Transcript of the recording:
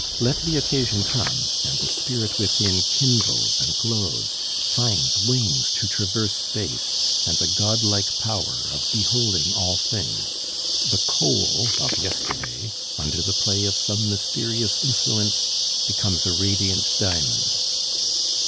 Let the occasion come, and the spirit within kindles and glows, finds wings to traverse space, and the god like power of beholding all things. The coal of yesterday under the play of some mysterious influence becomes a radiant diamond.